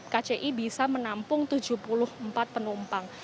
kci bisa menampung tujuh puluh empat penumpang